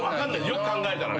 よく考えたらね。